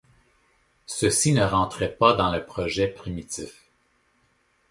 Ceci ne rentrait pas dans le projet primitif